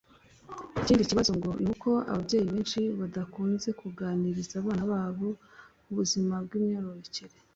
Ikindi kibazo ngo ni uko ababyeyi benshi badakunze kuganiriza abana babo kubuzima bw’imyororokere